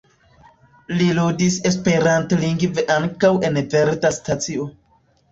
Li ludis esperantlingve ankaŭ en Verda Stacio.